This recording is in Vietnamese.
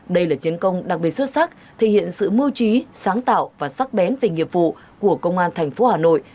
đây là chiến công đặc biệt xuất sắc thể hiện sự mưu trí sáng tạo và sắc bén về nghiệp vụ của công an tp hà nội